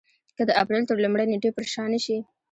که د اپرېل تر لومړۍ نېټې پر شا نه شي.